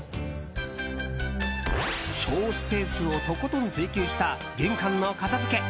省スペースをとことん追求した玄関の片付け。